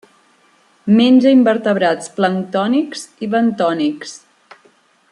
Menja invertebrats planctònics i bentònics.